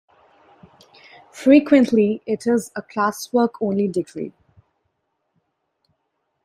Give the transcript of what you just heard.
Frequently, it is a classwork only degree.